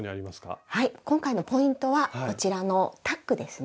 今回のポイントはこちらのタックですね。